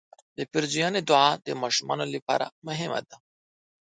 د پیرزوینې دعا د ماشومانو لپاره مهمه ده.